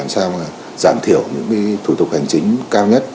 sao giảm thiểu những thủ tục hành chính cao nhất